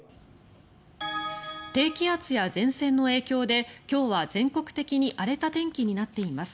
低気圧や前線の影響で今日は全国的に荒れた天気になっています。